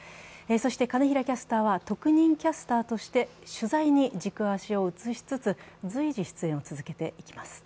そして金平キャスターは特任キャスターとして、取材に軸足を移しつつ、随時、出演を続けていきます。